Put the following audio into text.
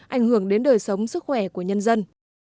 ảnh hưởng đến đời sống sức khỏe của nhân dân